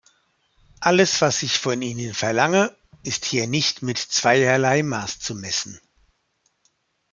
Alles was ich von Ihnen verlange, ist hier nicht mit zweierlei Maß zu messen.